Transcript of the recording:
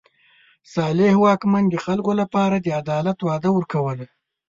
صالح واکمن د خلکو لپاره د عدالت وعده ورکوله.